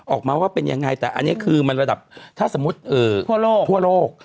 ออกมาว่าเป็นยังไงแต่ถ้าสมมติทั่วโลก